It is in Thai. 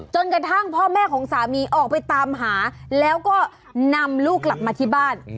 จนกระทั่งพ่อแม่ของสามีออกไปตามหาแล้วก็นำลูกกลับมาที่บ้าน